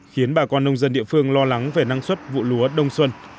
khiến bà con nông dân địa phương lo lắng về năng suất vụ lúa đông xuân